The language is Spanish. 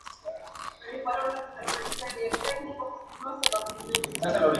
Es la sexta denominación de origen protegida.